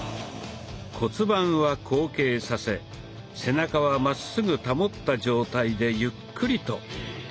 骨盤は後傾させ背中はまっすぐ保った状態でゆっくりと。